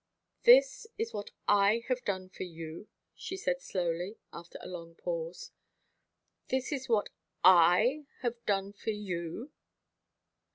"This is what I have done for you," she said slowly, after a long pause: "This is what I have done for you.